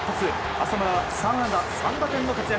浅村は３安打３打点の活躍。